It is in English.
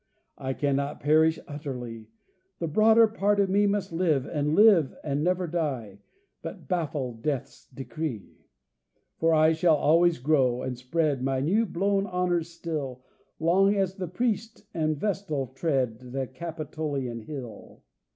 I cannot perish utterly ; The broader part of me must live, and live and never die, But baffle Death's decree ! For I shall always grow, and spread My new blown honors still, Long as the priest and vestal tread The Capitolian hill.